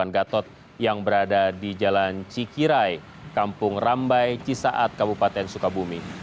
gatot yang berada di jalan cikirai kampung rambai cisaat kabupaten sukabumi